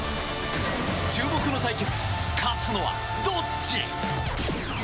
注目の対決、勝つのはどっち？